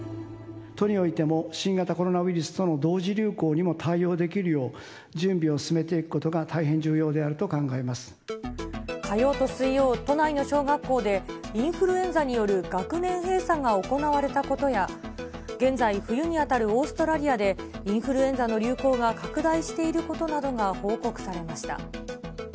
都においても、新型コロナウイルスとの同時流行にも対応できるよう、準備を進めていくことが火曜と水曜、都内の小学校でインフルエンザによる学年閉鎖が行われたことや、現在、冬に当たるオーストラリアで、インフルエンザの流行が拡大していることなどが報告されました。